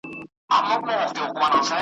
دا یوه خبره واورۍ مسافرو ,